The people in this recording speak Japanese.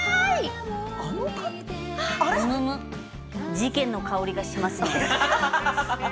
事件の香りがしますね。